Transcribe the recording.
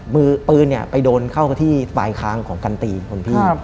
มือปืนเนี่ยไปโดนเข้าที่ปลายคางของกันตีของพี่